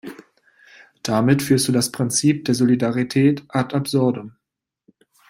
Damit führst du das Prinzip der Solidarität ad absurdum.